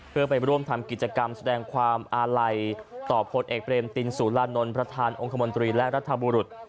เพื่อไปร่วมทำกิจกรรมแสดงความอาลัยต่อพลเอกเบรมตินสุรานนท์ประธานองค์คมนตรีและรัฐบุรุษ